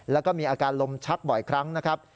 แล้วก็มีอาการลมชักบ่อยครั้งนะครับ